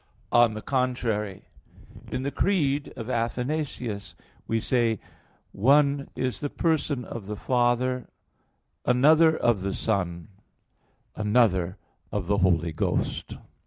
On the contrary, In the Creed of Athanasius we say: "One is the person of the Father, another of the Son, another of the Holy Ghost."